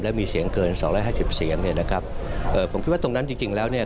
และมีเสียงเกิน๒๕๐เสียงเนี่ยนะครับผมคิดว่าตรงนั้นจริงแล้วเนี่ย